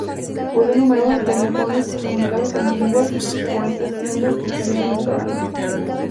Posee numerosos callejones con casas antiguas, bonitas tiendas y pequeños restaurantes.